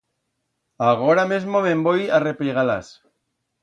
Agora mesmo me'n voi a replegar-las.